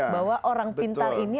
bahwa orang pintar ini